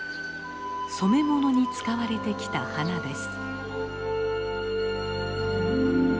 染め物に使われてきた花です。